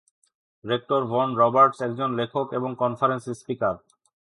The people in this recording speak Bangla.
রেক্টর ভন রবার্টস একজন লেখক এবং কনফারেন্স স্পিকার।